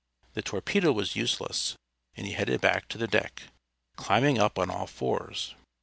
The torpedo was useless, and he headed back to the deck, climbing up on all fours.